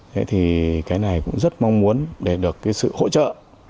thế thì cái này cũng rất mong muốn để được cái sự hỗ trợ